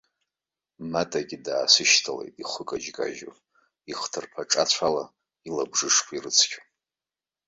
Матагьы даасышьҭалеит, ихы кажькажьуа, ихҭарԥа аҿацә ала илабжышқәа ирыцқьон.